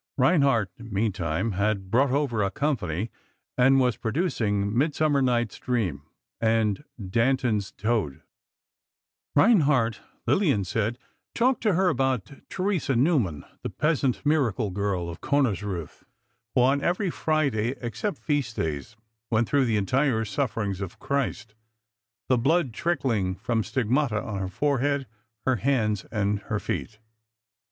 Reinhardt, meantime, had brought over a company and was producing "Midsummer Night's Dream" and "Danton's Todt." Reinhardt, Lillian said, talked to her about Theresa Neumann, the peasant miracle girl of Konnersreuth, who on every Friday except feast days went through the entire sufferings of Christ, the blood trickling from stigmata on her forehead, her hands and her feet.